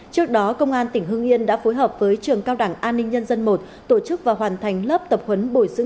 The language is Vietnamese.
trước đó công an tỉnh hương yên đã phối hợp với trường cao đẳng an ninh nhân dân một tổ chức và hoàn thành lớp tập huấn bồi dưỡng